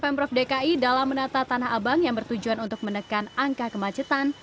pemprov dki dalam menata tanah abang yang bertujuan untuk menekan angka kemacetan